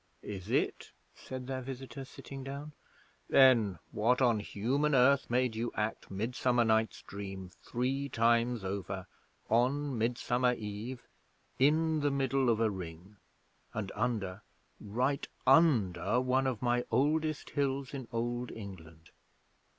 'Is it?' said their visitor, sitting down. 'Then what on Human Earth made you act Midsummer Night's Dream three times over, on Midsummer Eve, in the middle of a Ring, and under right under one of my oldest hills in Old England?